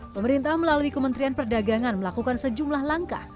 pemerintah melalui kementerian perdagangan melakukan sejumlah langkah